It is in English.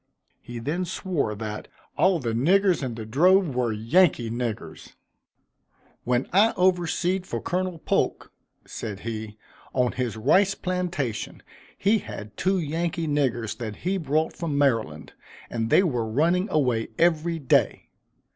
He then swore, that "all the niggers in the drove were Yankee niggers." "When I overseed for Colonel Polk," said he, "on his rice plantation, he had two Yankee niggers that he brought from Maryland, and they were running away every day.